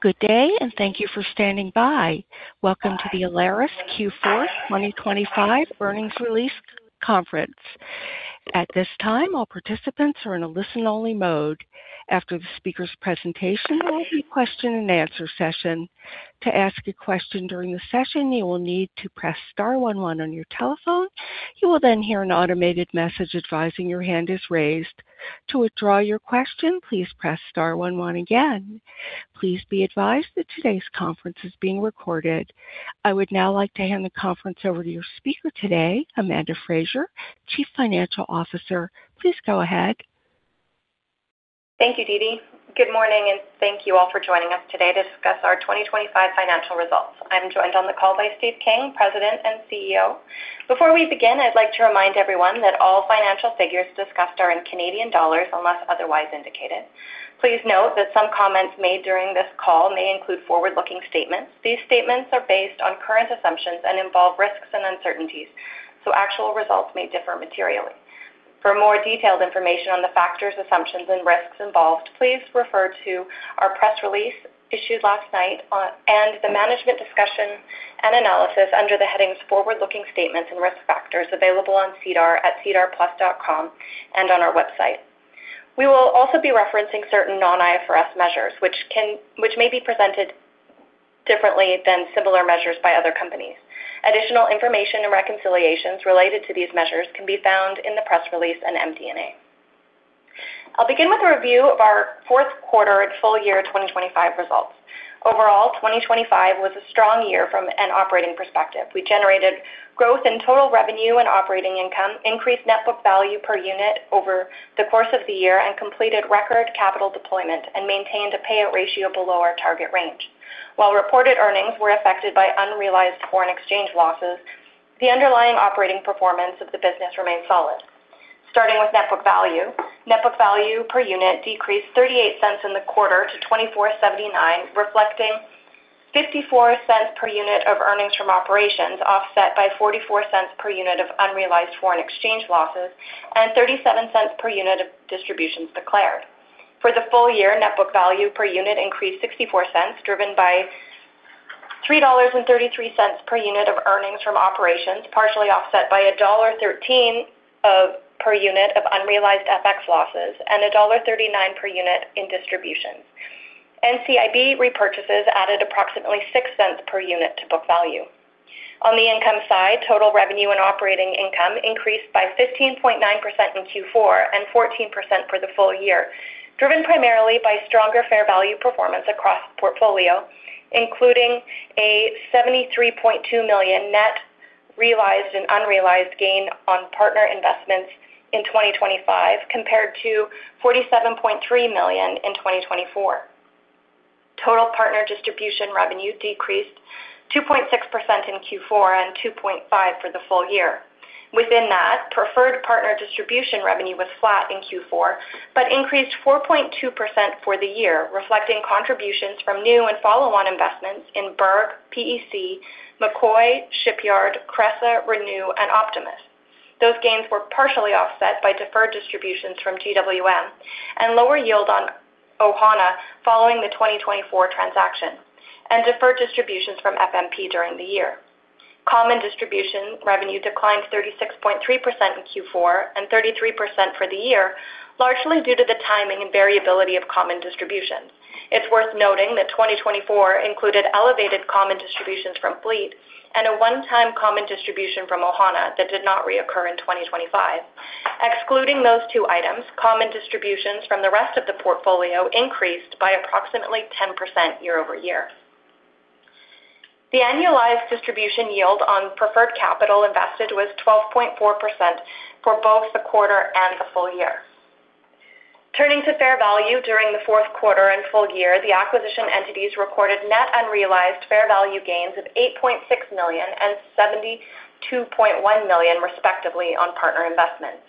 Good day, and thank you for standing by. Welcome to the Alaris Q4 2025 Earnings Release Conference. At this time, all participants are in a listen-only mode. After the speaker's presentation, there will be a question-and-answer session. To ask a question during the session, you will need to press star one one on your telephone. You will then hear an automated message advising your hand is raised. To withdraw your question, please press star one one again. Please be advised that today's conference is being recorded. I would now like to hand the conference over to your speaker today, Amanda Frazer, Chief Financial Officer. Please go ahead. Thank you, Deedee. Good morning, and thank you all for joining us today to discuss our 2025 financial results. I'm joined on the call by Steve King, President and CEO. Before we begin, I'd like to remind everyone that all financial figures discussed are in Canadian dollars, unless otherwise indicated. Please note that some comments made during this call may include forward-looking statements. These statements are based on current assumptions and involve risks and uncertainties, so actual results may differ materially. For more detailed information on the factors, assumptions, and risks involved, please refer to our press release issued last night and the Management's Discussion and Analysis under the headings Forward-Looking Statements and Risk Factors available on SEDAR at sedarplus.com and on our website. We will also be referencing certain non-IFRS measures, which may be presented differently than similar measures by other companies. Additional information and reconciliations related to these measures can be found in the press release and MD&A. I'll begin with a review of our fourth quarter and full year 2025 results. Overall, 2025 was a strong year from an operating perspective. We generated growth in total revenue and operating income, increased Net Book Value Per Unit over the course of the year and completed record capital deployment and maintained a payout ratio below our target range. While reported earnings were affected by unrealized foreign exchange losses, the underlying operating performance of the business remained solid. Starting with Net Book Value Per Unit. Net Book Value Per Unit decreased $0.38 in the quarter to $24.79, reflecting $0.54 per unit of earnings from operations, offset by $0.44 per unit of unrealized foreign exchange losses and $0.37 per unit of distributions declared. For the full year, net book value per unit increased $0.64, driven by $33 per unit of earnings from operations, partially offset by $1.13 per unit of unrealized FX losses and $1.39 per unit in distributions. NCIB repurchases added approximately $0.06 per unit to book value. On the income side, total revenue and operating income increased by 15.9% in Q4 and 14% for the full year, driven primarily by stronger fair value performance across the portfolio, including a $73.2 million net realized and unrealized gain on partner investments in 2025 compared to $47.3 million in 2025. Total partner distribution revenue decreased 2.6% in Q4 and 2.5% for the full year. Within that, preferred partner distribution revenue was flat in Q4, but increased 4.2% for the year, reflecting contributions from new and follow-on investments in Berg, PEC, McCoy, Shipyard, Cresa, Renew and Optimus. Those gains were partially offset by deferred distributions from GWM and lower yield on Ohana following the 2024 transaction and deferred distributions from FMP during the year. Common distribution revenue declined 36.3% in Q4 and 33% for the year, largely due to the timing and variability of common distributions. It's worth noting that 2024 included elevated common distributions from Fleet and a one-time common distribution from Ohana that did not reoccur in 2025. Excluding those two items, common distributions from the rest of the portfolio increased by approximately 10% year-over-year. The annualized distribution yield on preferred capital invested was 12.4% for both the quarter and the full year. Turning to fair value, during the fourth quarter and full year, the acquisition entities recorded net unrealized fair value gains of $8.6 million and $72.1 million, respectively, on partner investments.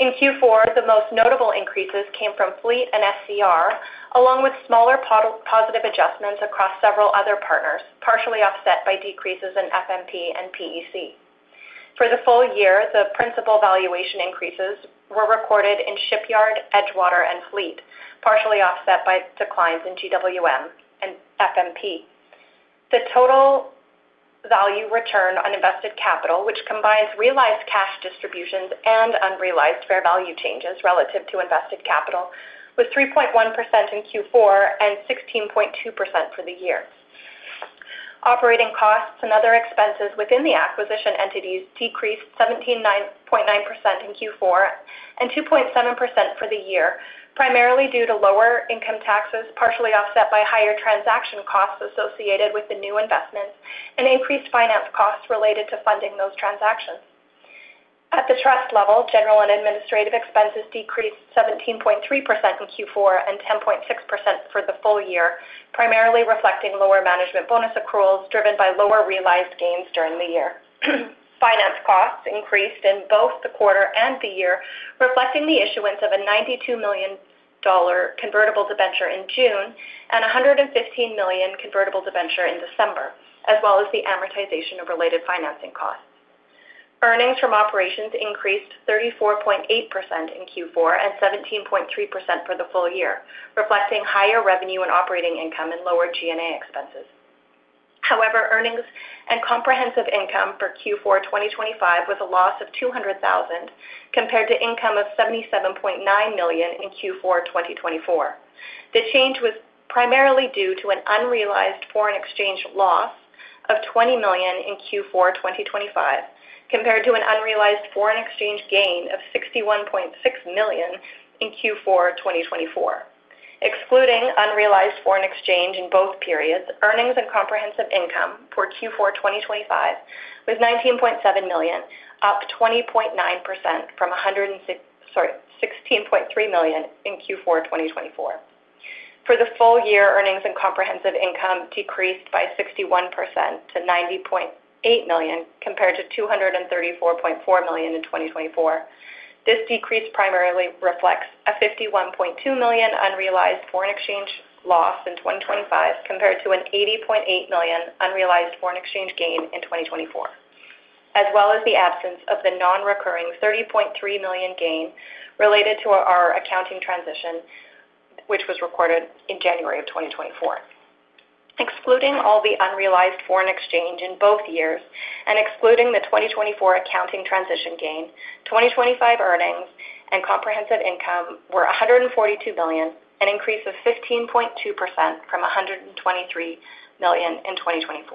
In Q4, the most notable increases came from Fleet and SCR, along with smaller positive adjustments across several other partners, partially offset by decreases in FMP and PEC. For the full year, the principal valuation increases were recorded in Shipyard, Edgewater, and Fleet, partially offset by declines in GWM and FMP. The total value return on invested capital, which combines realized cash distributions and unrealized fair value changes relative to invested capital, was 3.1% in Q4 and 16.2% for the year. Operating costs and other expenses within the acquisition entities decreased 17.9% in Q4 and 2.7% for the year, primarily due to lower income taxes, partially offset by higher transaction costs associated with the new investments and increased finance costs related to funding those transactions. At the trust level, general and administrative expenses decreased 17.3% in Q4 and 10.6% for the full year, primarily reflecting lower management bonus accruals driven by lower realized gains during the year. Finance costs increased in both the quarter and the year, reflecting the issuance of a $92 million convertible debenture in June and a $115 million convertible debenture in December, as well as the amortization of related financing costs. Earnings from operations increased 34.8% in Q4 and 17.3% for the full year, reflecting higher revenue and operating income and lower G&A expenses. However, earnings and comprehensive income for Q4 2025 was a loss of $200,000 compared to income of $77.9 million in Q4 2024. The change was primarily due to an unrealized foreign exchange loss of $20 million in Q4 2025 compared to an unrealized foreign exchange gain of $61.6 million in Q4 2024. Excluding unrealized foreign exchange in both periods, earnings and comprehensive income for Q4 2025 was $19.7 million, up 20.9% from sixteen point three million in Q4 2024. For the full year, earnings and comprehensive income decreased by 61% to $90.8 million compared to $234.4 million in 2024. This decrease primarily reflects a $51.2 million unrealized foreign exchange loss in 2025 compared to an $80.8 million unrealized foreign exchange gain in 2024, as well as the absence of the non-recurring $30.3 million gain related to our accounting transition, which was recorded in January of 2024. Excluding all the unrealized foreign exchange in both years and excluding the 2024 accounting transition gain, 2025 earnings and comprehensive income were $142 million, an increase of 15.2% from $123 million in 2024.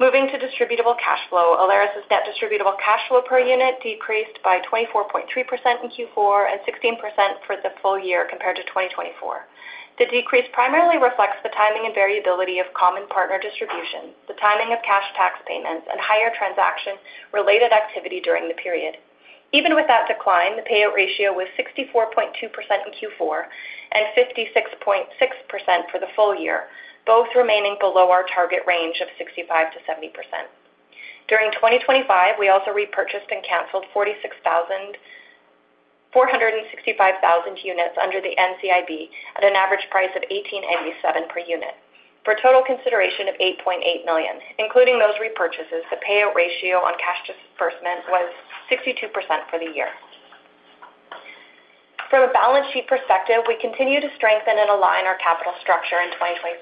Moving to distributable cash flow, Alaris' net distributable cash flow per unit decreased by 24.3% in Q4 and 16% for the full year compared to 2024. The decrease primarily reflects the timing and variability of common partner distributions, the timing of cash tax payments, and higher transaction-related activity during the period. Even with that decline, the payout ratio was 64.2% in Q4 and 56.6% for the full year, both remaining below our target range of 65%-70%. During 2025, we also repurchased and canceled 465,000 units under the NCIB at an average price of $18.87 per unit for a total consideration of $8.8 million. Including those repurchases, the payout ratio on cash disbursement was 62% for the year. From a balance sheet perspective, we continue to strengthen and align our capital structure in 2025.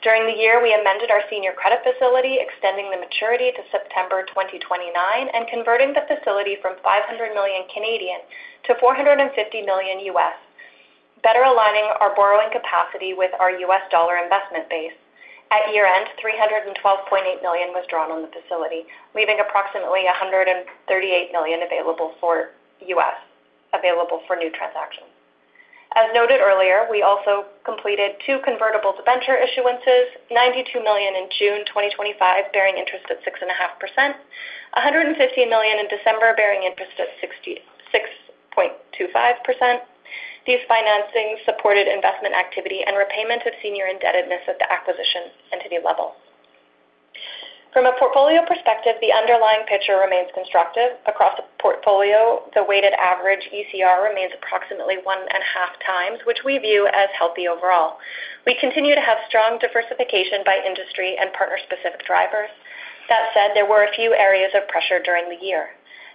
During the year, we amended our senior credit facility, extending the maturity to September 2029 and converting the facility from 500 million to $450 million, better aligning our borrowing capacity with our U.S. dollar investment base. At year-end, $312.8 million was drawn on the facility, leaving approximately $138 million available for new transactions. As noted earlier, we also completed two convertible debenture issuances, $92 million in June 2025, bearing interest at 6.5%, $115 million in December, bearing interest at 6.25%. These financings supported investment activity and repayment of senior indebtedness at the acquisition entity level. From a portfolio perspective, the underlying picture remains constructive. Across the portfolio, the weighted average ECR remains approximately 1.5x, which we view as healthy overall. We continue to have strong diversification by industry and partner-specific drivers. That said, there were a few areas of pressure during the year.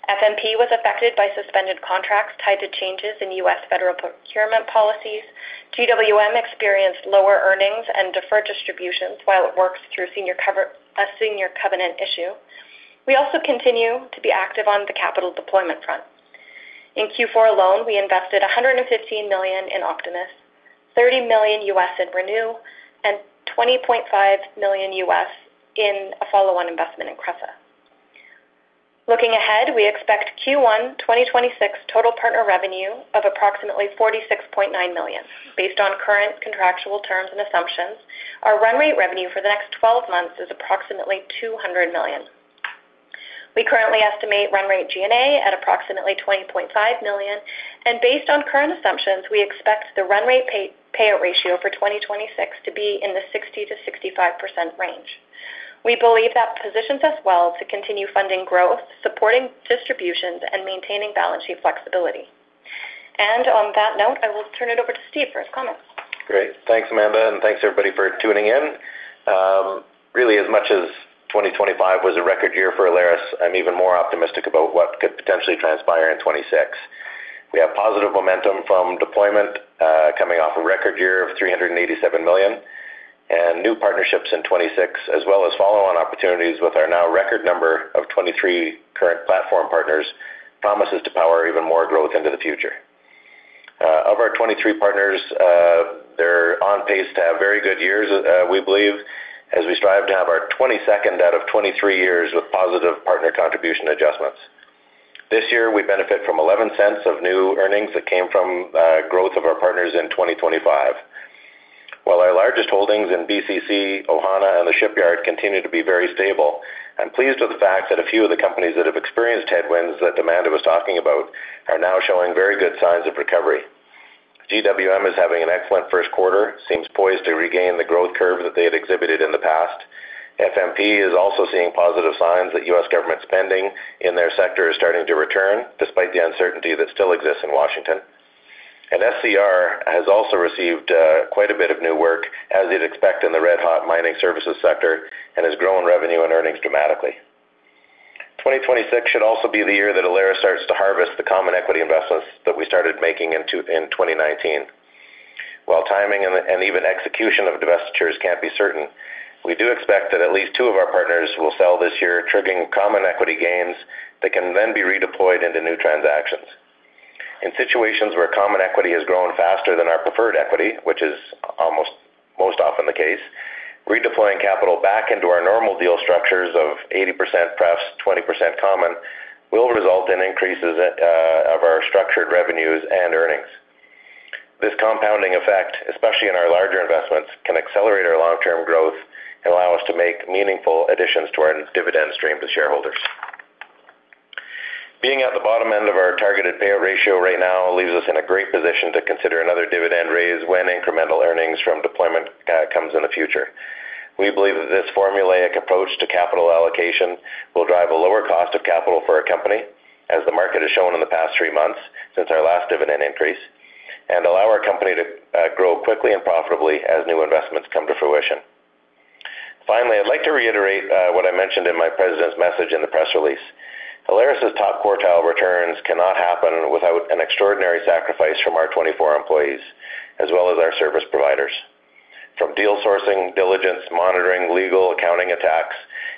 FMP was affected by suspended contracts tied to changes in U.S. federal procurement policies. GWM experienced lower earnings and deferred distributions while it works through a senior covenant issue. We also continue to be active on the capital deployment front. In Q4 alone, we invested $115 million in Optimus, $30 million in Renew, and $20.5 million in a follow-on investment in Cresa. Looking ahead, we expect Q1 2026 total partner revenue of approximately $46.9 million. Based on current contractual terms and assumptions, our run rate revenue for the next twelve months is approximately $200 million. We currently estimate run rate G&A at approximately $20.5 million, and based on current assumptions, we expect the run rate payout ratio for 2026 to be in the 60%-65% range. We believe that positions us well to continue funding growth, supporting distributions, and maintaining balance sheet flexibility. On that note, I will turn it over to Steve for his comments. Great. Thanks, Amanda, and thanks everybody for tuning in. Really, as much as 2025 was a record year for Alaris, I'm even more optimistic about what could potentially transpire in 2026. We have positive momentum from deployment, coming off a record year of $387 million. New partnerships in 2026, as well as follow-on opportunities with our now record number of 23 current platform partners, promises to power even more growth into the future. Of our 23 partners, they're on pace to have very good years, we believe, as we strive to have our 22nd out of 23 years with positive partner contribution adjustments. This year, we benefit from $0.11 of new earnings that came from growth of our partners in 2025. While our largest holdings in BCC, Ohana, and The Shipyard continue to be very stable, I'm pleased with the fact that a few of the companies that have experienced headwinds that Amanda was talking about are now showing very good signs of recovery. GWM is having an excellent first quarter, seems poised to regain the growth curve that they had exhibited in the past. FMP is also seeing positive signs that U.S. government spending in their sector is starting to return despite the uncertainty that still exists in Washington. SCR has also received quite a bit of new work as you'd expect in the red-hot mining services sector and has grown revenue and earnings dramatically. 2026 should also be the year that Alaris starts to harvest the common equity investments that we started making in 2019. While timing and even execution of divestitures can't be certain, we do expect that at least two of our partners will sell this year, triggering common equity gains that can then be redeployed into new transactions. In situations where common equity has grown faster than our preferred equity, which is almost most often the case, redeploying capital back into our normal deal structures of 80% pref, 20% common will result in increases of our structured revenues and earnings. This compounding effect, especially in our larger investments, can accelerate our long-term growth and allow us to make meaningful additions to our dividend stream to shareholders. Being at the bottom end of our targeted payout ratio right now leaves us in a great position to consider another dividend raise when incremental earnings from deployment comes in the future. We believe that this formulaic approach to capital allocation will drive a lower cost of capital for our company, as the market has shown in the past three months since our last dividend increase, and allow our company to grow quickly and profitably as new investments come to fruition. Finally, I'd like to reiterate what I mentioned in my president's message in the press release. Alaris' top quartile returns cannot happen without an extraordinary sacrifice from our 24 employees as well as our service providers. From deal sourcing, diligence, monitoring, legal, accounting, and tax,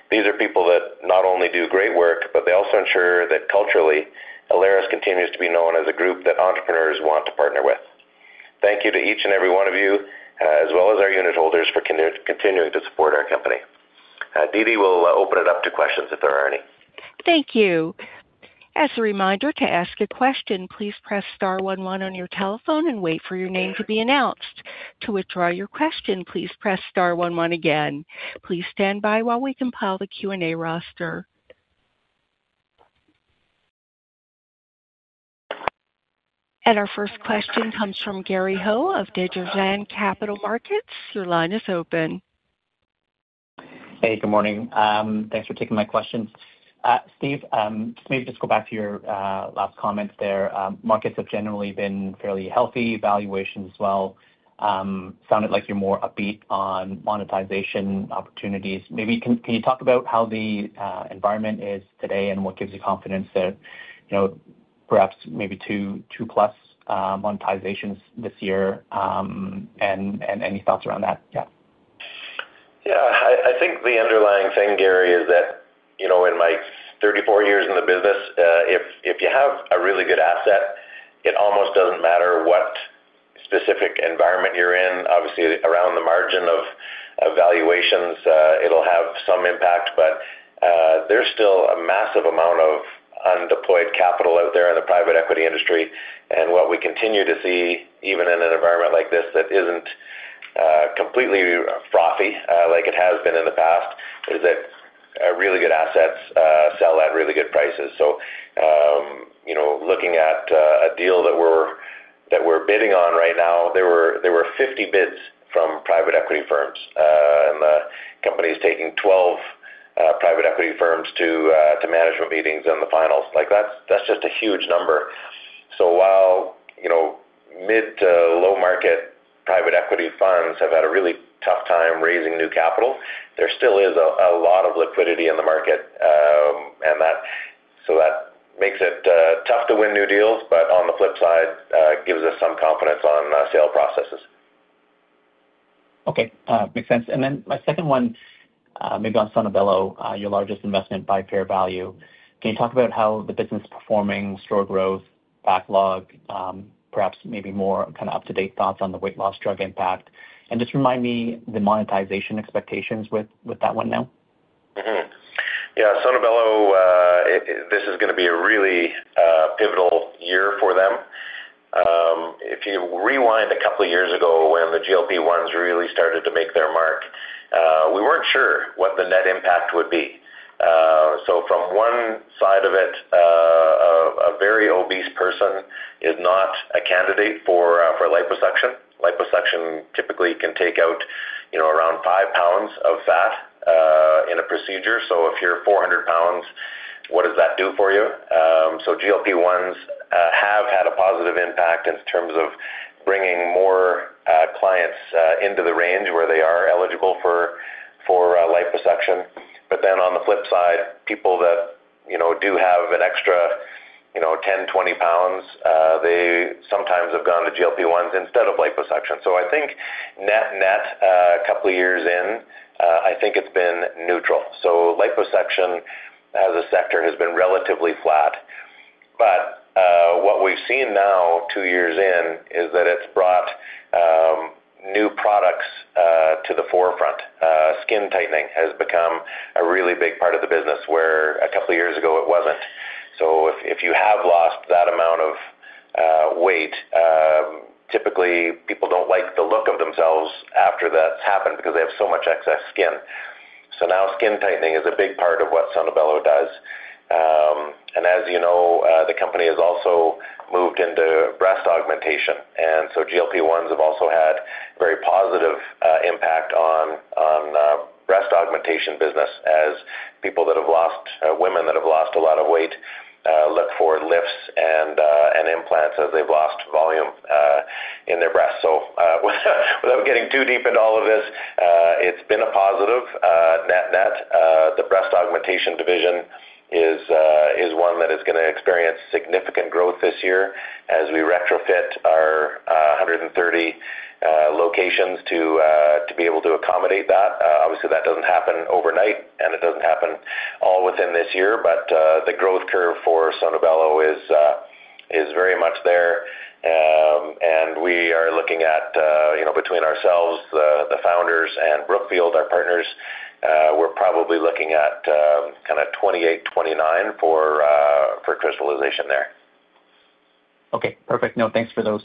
these are people that not only do great work, but they also ensure that culturally, Alaris continues to be known as a group that entrepreneurs want to partner with. Thank you to each and every one of you, as well as our unitholders for continuing to support our company. DeeDee will open it up to questions if there are any. Thank you. As a reminder to ask a question, please press star one one on your telephone and wait for your name to be announced. To withdraw your question, please press star one one again. Please stand by while we compile the Q&A roster. Our first question comes from Gary Ho of Desjardins Capital Markets. Your line is open. Hey, good morning. Thanks for taking my questions. Steve, maybe just go back to your last comments there. Markets have generally been fairly healthy, valuations as well. Sounded like you're more upbeat on monetization opportunities. Can you talk about how the environment is today and what gives you confidence that, you know, perhaps maybe two plus monetizations this year, and any thoughts around that? Yeah. Yeah. I think the underlying thing, Gary, is that, you know, in my 34 years in the business, if you have a really good asset, it almost doesn't matter what specific environment you're in. Obviously, around the margin of valuations, it'll have some impact. There's still a massive amount of undeployed capital out there in the private equity industry. What we continue to see, even in an environment like this that isn't completely frothy, like it has been in the past, is that really good assets sell at really good prices. You know, looking at a deal that we're bidding on right now, there were 50 bids from private equity firms. The company is taking 12 private equity firms to management meetings in the finals. Like, that's just a huge number. While you know, mid to low market private equity funds have had a really tough time raising new capital, there still is a lot of liquidity in the market, and that makes it tough to win new deals. On the flip side, gives us some confidence on sale processes. Okay. Makes sense. Then my second one, maybe on Sono Bello, your largest investment by fair value. Can you talk about how the business is performing, store growth, backlog, perhaps maybe more kind of up-to-date thoughts on the weight loss drug impact? Just remind me the monetization expectations with that one now. Yeah, Sono Bello, this is gonna be a really pivotal year for them. If you rewind a couple years ago when the GLP-1s really started to make their mark, we weren't sure what the net impact would be. From one side of it, a very obese person is not a candidate for liposuction. Liposuction typically can take out, you know, around five pounds of fat in a procedure. If you're 400 pounds, what does that do for you? GLP-1s have had a positive impact in terms of bringing more clients into the range where they are eligible for liposuction. On the flip side, people that, you know, do have an extra, you know, 10, 20 pounds, they sometimes have gone to GLP-1s instead of liposuction. I think net-net, a couple of years in, I think it's been neutral. Liposuction as a sector has been relatively flat. What we've seen now two years in is that it's brought new products to the forefront. Skin tightening has become a really big part of the business, where a couple of years ago it wasn't. If you have lost that amount of weight, typically people don't like the look of themselves after that's happened because they have so much excess skin. Now skin tightening is a big part of what Sono Bello does. As you know, the company has also moved into breast augmentation, and GLP-1s have also had very positive impact on the breast augmentation business as women that have lost a lot of weight look for lifts and implants as they've lost volume in their breasts. Without getting too deep into all of this, it's been a positive. Net net, the breast augmentation division is one that is gonna experience significant growth this year as we retrofit our 130 locations to be able to accommodate that. Obviously, that doesn't happen overnight, and it doesn't happen all within this year. The growth curve for Sono Bello is very much there. We are looking at, you know, between ourselves, the founders and Brookfield, our partners, we're probably looking at, kinda 28-29 for crystallization there. Okay. Perfect. No, thanks for those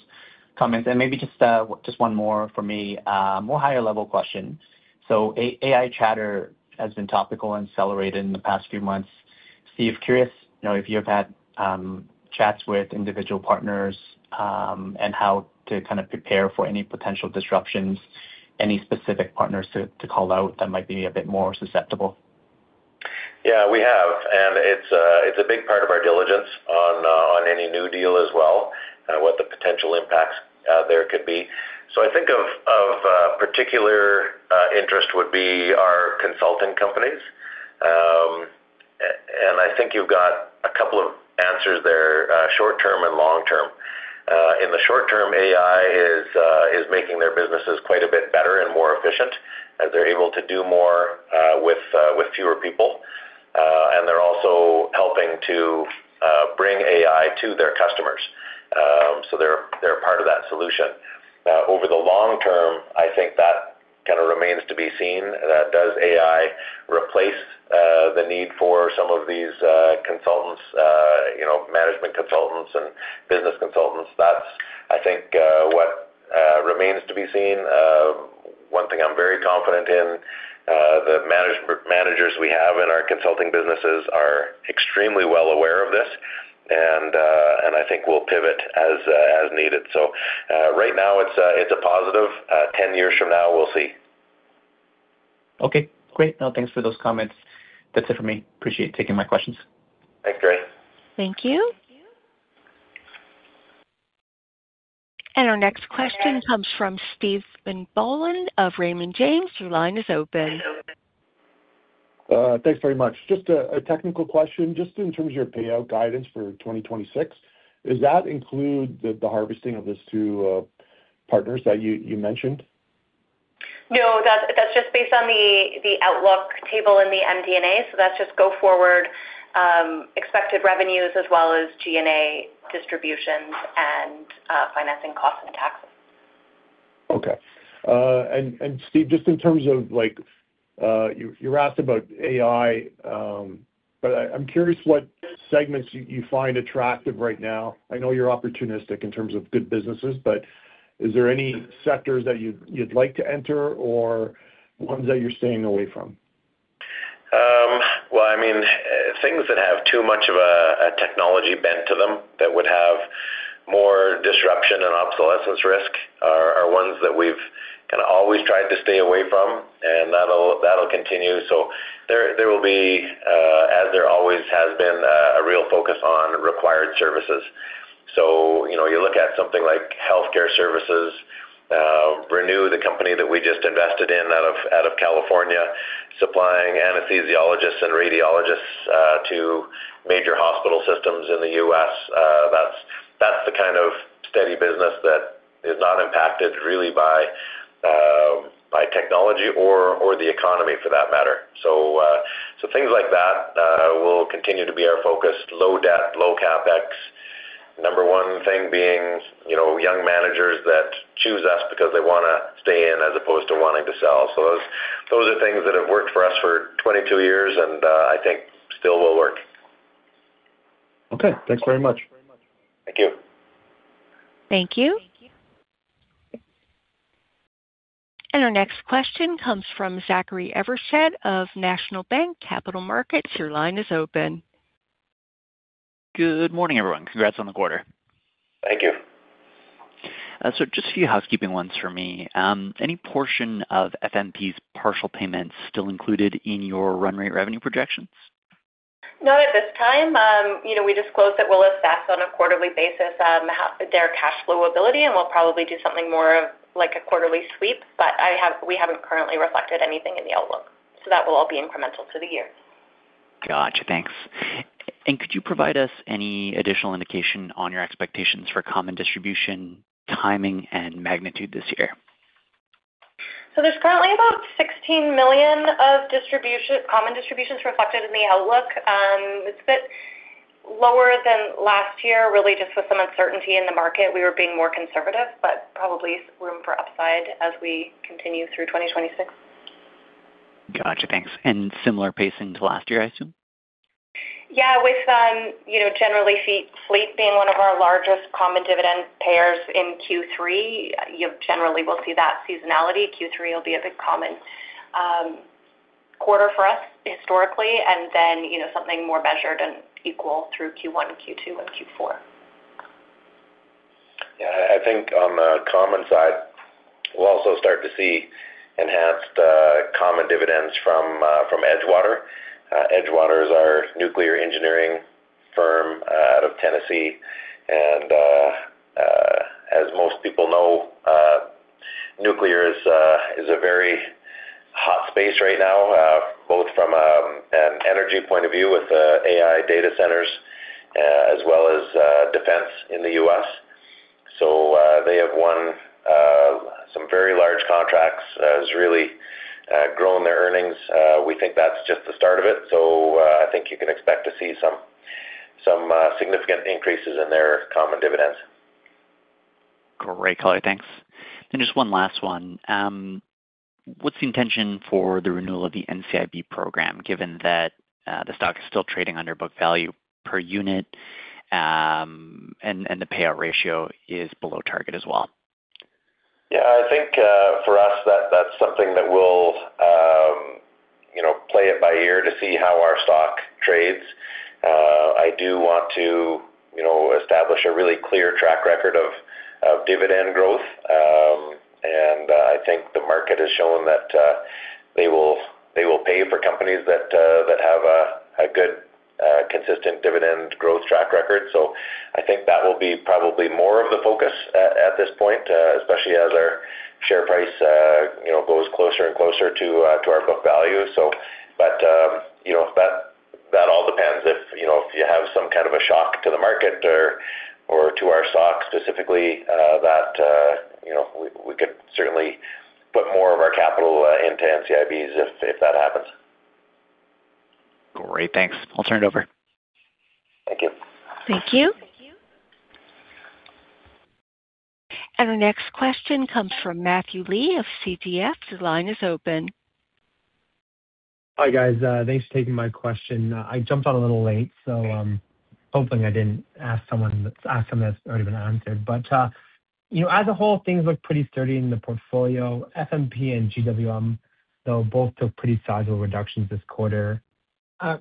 comments. Maybe just one more for me. More higher level question. AI chatter has been topical and celebrated in the past few months. Steve, curious, you know, if you've had chats with individual partners and how to kind of prepare for any potential disruptions, any specific partners to call out that might be a bit more susceptible? Yeah, we have, and it's a big part of our diligence on any new deal as well, what the potential impacts there could be. I think of particular interest would be our consulting companies. I think you've got a couple of answers there, short term and long term. In the short term, AI is making their businesses quite a bit better and more efficient as they're able to do more with fewer people. They're also helping to bring AI to their customers. They're part of that solution. Over the long term, I think that kinda remains to be seen, that does AI replace the need for some of these consultants, you know, management consultants and business consultants? That's, I think, what remains to be seen. One thing I'm very confident in, the managers we have in our consulting businesses are extremely well aware of this, and I think we'll pivot as needed. Right now it's a positive. 10 years from now, we'll see. Okay, great. No, thanks for those comments. That's it for me. Appreciate taking my questions. Thanks, Gary Ho. Thank you. Our next question comes from Stephen Boland of Raymond James. Your line is open. Thanks very much. Just a technical question. Just in terms of your payout guidance for 2026, does that include the harvesting of those two partners that you mentioned? No. That's just based on the outlook table in the MD&A. That's just going forward expected revenues as well as G&A distributions and financing costs and taxes. Okay. Steve, just in terms of like, you asked about AI, but I'm curious what segments you find attractive right now. I know you're opportunistic in terms of good businesses, but is there any sectors that you'd like to enter or ones that you're staying away from? Well, I mean, things that have too much of a technology bent to them that would have more disruption and obsolescence risk are ones that we've kinda always tried to stay away from, and that'll continue. There will be, as there always has been, a real focus on required services. You know, you look at something like healthcare services, Renew, the company that we just invested in out of California, supplying anesthesiologists and radiologists to major hospital systems in the U.S. That's the kind of steady business that is not impacted really by technology or the economy for that matter. Things like that will continue to be our focus. Low debt, low CapEx. Number one thing being, you know, young managers that choose us because they wanna stay in as opposed to wanting to sell. Those are things that have worked for us for 22 years, and I think still will work. Okay. Thanks very much. Thank you. Thank you. Our next question comes from Zachary Evershed of National Bank Capital Markets. Your line is open. Good morning, everyone. Congrats on the quarter. Thank you. Just a few housekeeping ones for me. Any portion of FMP's partial payments still included in your run rate revenue projections? Not at this time. You know, we disclose that we'll assess on a quarterly basis, how their cash flow ability, and we'll probably do something more of like a quarterly sweep. We haven't currently reflected anything in the outlook, so that will all be incremental to the year. Gotcha. Thanks. Could you provide us any additional indication on your expectations for common distribution, timing and magnitude this year? There's currently about $16 million of distributions, common distributions, reflected in the outlook. It's a bit lower than last year, really just with some uncertainty in the market. We were being more conservative, but probably room for upside as we continue through 2026. Gotcha. Thanks. Similar pacing to last year, I assume? Yeah, with, you know, generally Fleet being one of our largest common dividend payers in Q3, you generally will see that seasonality. Q3 will be a big common quarter for us historically, and then, you know, something more measured and equal through Q1 and Q2 and Q4. Yeah, I think on the common side, we'll also start to see enhanced common dividends from Edgewater. Edgewater is our nuclear engineering firm out of Tennessee. As most people know, nuclear is a very hot space right now, both from an energy point of view with AI data centers, as well as defense in the U.S. They have won some very large contracts, has really grown their earnings. We think that's just the start of it. I think you can expect to see some significant increases in their common dividends. Great, color. Thanks. Just one last one. What's the intention for the renewal of the NCIB program, given that the stock is still trading under book value per unit, and the payout ratio is below target as well? Yeah, I think, for us, that's something that we'll, you know, play it by ear to see how our stock trades. I do want to, you know, establish a really clear track record of dividend growth. I think the market has shown that they will pay for companies that have a good consistent dividend growth track record. I think that will be probably more of the focus at this point, especially as our share price, you know, goes closer and closer to our book value. You know, that all depends if, you know, if you have some kind of a shock to the market or to our stock specifically, that, you know, we could certainly put more of our capital into NCIBs if that happens. Great. Thanks. I'll turn it over. Thank you. Thank you. Our next question comes from Matthew Lee of Canaccord Genuity. Your line is open. Hi, guys. Thanks for taking my question. I jumped on a little late, so I'm hoping I didn't ask something that's already been answered. You know, as a whole, things look pretty sturdy in the portfolio. FMP and GWM, though, both took pretty sizable reductions this quarter.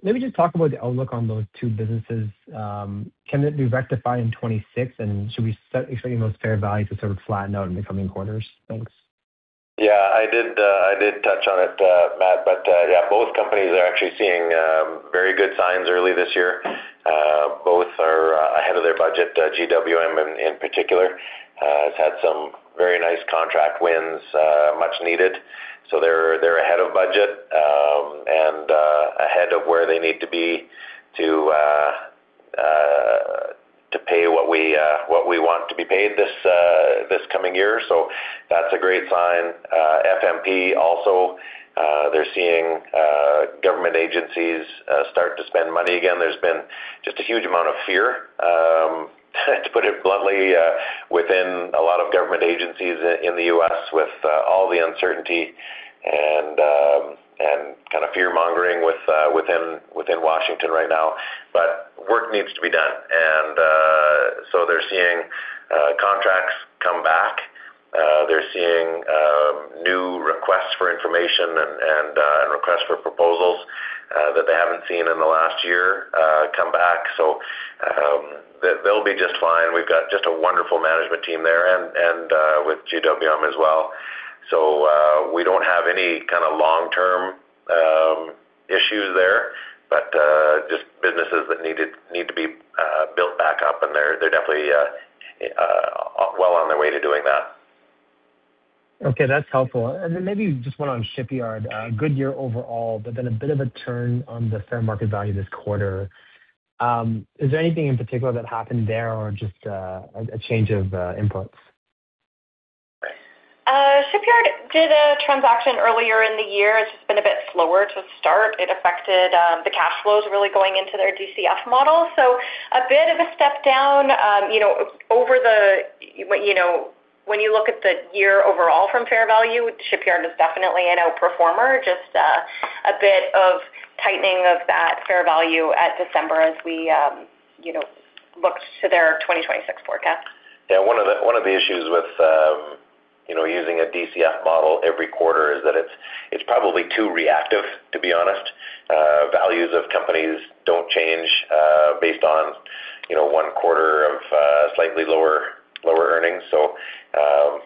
Maybe just talk about the outlook on those two businesses. Can it be rectified in 2026? And should we expecting those fair values to sort of flatten out in the coming quarters? Thanks. Yeah, I did touch on it, Matt. Yeah, both companies are actually seeing very good signs early this year. Both are ahead of their budget. GWM in particular has had some very nice contract wins, much needed. They're ahead of budget and ahead of where they need to be to pay what we want to be paid this coming year. That's a great sign. FMP also, they're seeing government agencies start to spend money again. There's been just a huge amount of fear to put it bluntly within a lot of government agencies in the U.S. with all the uncertainty and kind of fear-mongering within Washington right now. Work needs to be done. They're seeing contracts come back. They're seeing new requests for information and requests for proposals that they haven't seen in the last year come back. They'll be just fine. We've got just a wonderful management team there and with GWM as well. We don't have any kinda long-term issues there, but just businesses that need to be built back up, and they're definitely well on their way to doing that. Okay, that's helpful. Then maybe just one on Shipyard. Good year overall, but then a bit of a turn on the fair market value this quarter. Is there anything in particular that happened there or just a change of inputs? Shipyard did a transaction earlier in the year. It's just been a bit slower to start. It affected the cash flows really going into their DCF model. A bit of a step down. You know, when you look at the year overall from fair value, Shipyard is definitely an outperformer, just a bit of tightening of that fair value at December as we, you know, look to their 2026 forecast. Yeah, one of the issues with you know using a DCF model every quarter is that it's probably too reactive, to be honest. Values of companies don't change based on you know one quarter of slightly lower earnings.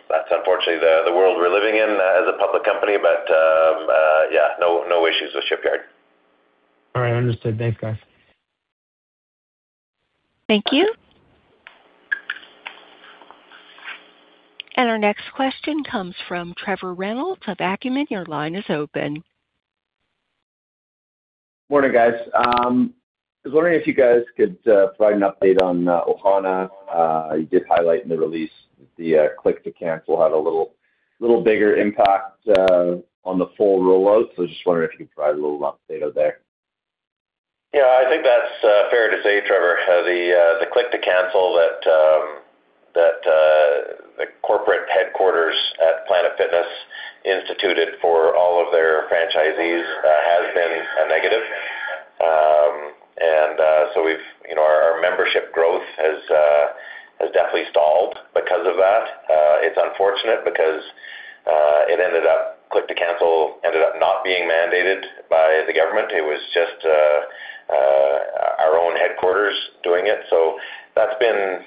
That's unfortunately the world we're living in as a public company. Yeah, no issues with Shipyard. All right. Understood. Thanks, guys. Thank you. Our next question comes from Trevor Reynolds of Acumen. Your line is open. Morning, guys. I was wondering if you guys could provide an update on Ohana. You did highlight in the release the Click to Cancel had a little bigger impact on the full rollout. I was just wondering if you could provide a little update out there. Yeah, I think that's fair to say, Trevor. The Click to Cancel that the corporate headquarters at Planet Fitness instituted for all of their franchisees has been a negative. You know, our membership growth has definitely stalled because of that. It's unfortunate because Click to Cancel ended up not being mandated by the government. It was just our own headquarters doing it. That's been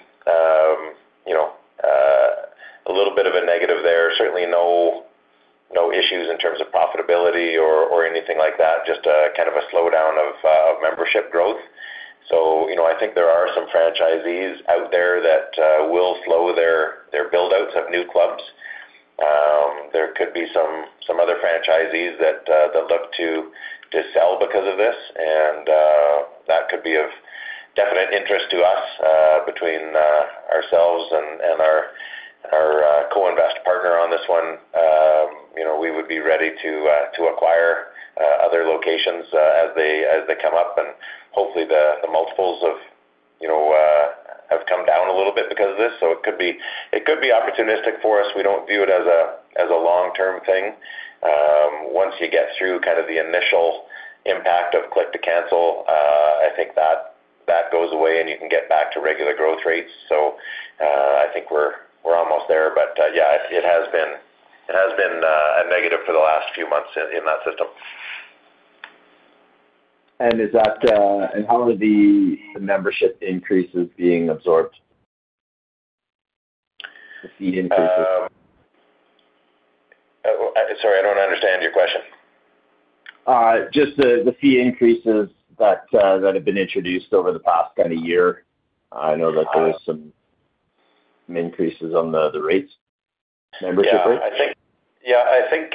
you know a little bit of a negative there. Certainly no issues in terms of profitability or anything like that. Just a kind of a slowdown of membership growth. You know, I think there are some franchisees out there that will slow their build-outs of new clubs. There could be some other franchisees that look to sell because of this, and that could be of definite interest to us. Between ourselves and our co-invest partner on this one, you know, we would be ready to acquire other locations as they come up. Hopefully, the multiples, you know, have come down a little bit because of this, so it could be opportunistic for us. We don't view it as a long-term thing. Once you get through kind of the initial impact of Click to Cancel, I think that goes away, and you can get back to regular growth rates. I think we're almost there. Yeah, it has been a negative for the last few months in that system. How are the membership increases being absorbed? The fee increases. Sorry, I don't understand your question. Just the fee increases that have been introduced over the past kind of year. I know that there was some increases on the rates, membership rates. I think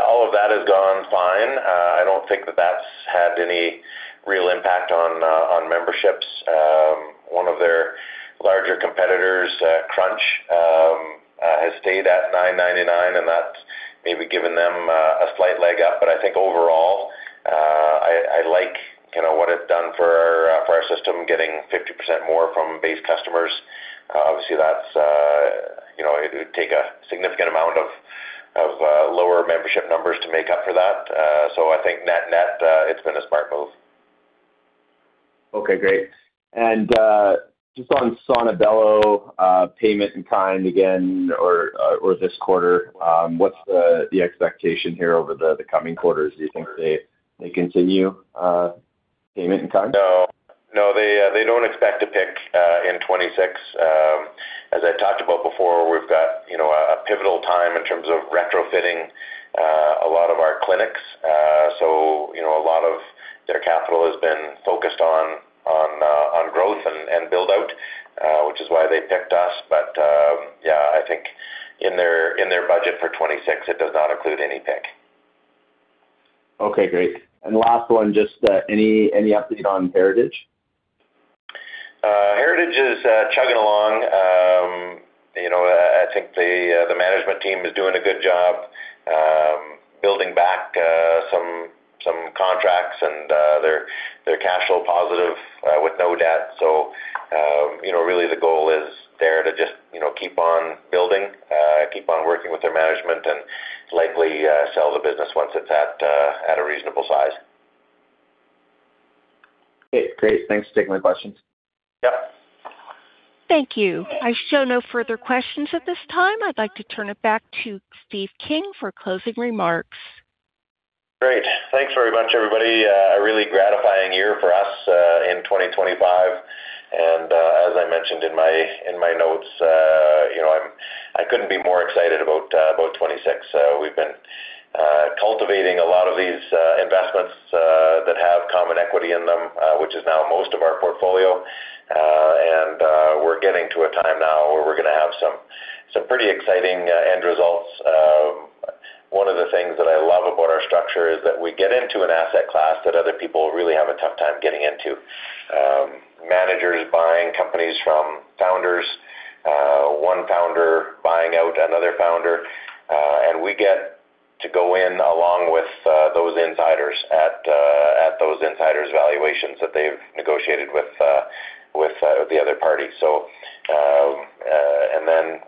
all of that has gone fine. I don't think that's had any real impact on memberships. One of their larger competitors, Crunch, has stayed at $9.99, and that's maybe given them a slight leg up. I think overall, I like, you know, what it's done for our system, getting 50% more from base customers. Obviously that's, you know, it would take a significant amount of lower membership numbers to make up for that. I think net-net, it's been a smart move. Okay, great. Just on Sono Bello, payment in kind again or this quarter, what's the expectation here over the coming quarters? Do you think they continue Payment In Kind? No. They don't expect to PIK in 2026. As I talked about before, we've got, you know, a pivotal time in terms of retrofitting a lot of our clinics. You know, a lot of their capital has been focused on growth and build-out, which is why they picked us. Yeah, I think in their budget for 2026, it does not include any PIK. Okay, great. Last one, just any update on Heritage? Heritage is chugging along. You know, I think the management team is doing a good job building back some contracts, and they're cash flow positive with no debt. You know, really the goal is there to just keep on building, keep on working with their management and likely sell the business once it's at a reasonable size. Okay, great. Thanks for taking my questions. Yeah. Thank you. I show no further questions at this time. I'd like to turn it back to Steve King for closing remarks. Great. Thanks very much, everybody. A really gratifying year for us in 2025. As I mentioned in my notes, you know, I couldn't be more excited about 2026. We've been cultivating a lot of these investments that have common equity in them, which is now most of our portfolio. We're getting to a time now where we're gonna have some pretty exciting end results. One of the things that I love about our structure is that we get into an asset class that other people really have a tough time getting into. Managers buying companies from founders, one founder buying out another founder, and we get to go in along with those insiders at those insiders valuations that they've negotiated with the other party.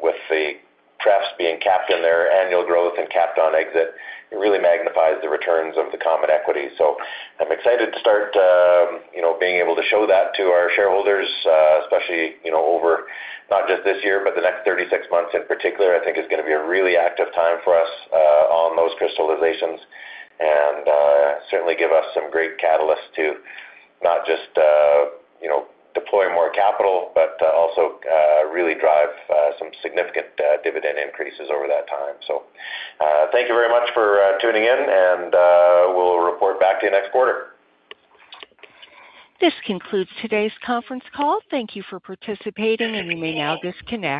With the pref being capped in their annual growth and capped on exit, it really magnifies the returns of the common equity. I'm excited to start, you know, being able to show that to our shareholders, especially, you know, over not just this year, but the next 36 months in particular, I think is gonna be a really active time for us on those crystallizations. Certainly give us some great catalysts to not just, you know, deploy more capital, but also really drive some significant dividend increases over that time. Thank you very much for tuning in, and we'll report back to you next quarter. This concludes today's conference call. Thank you for participating, and you may now disconnect.